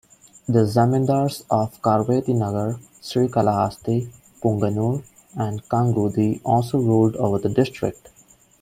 The Zamindars of Karvetinagar, Srikalahasthi, Punganur and Kangundhi also ruled over this district.